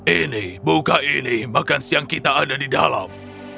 ini buka ini makan siang kita ada di dalam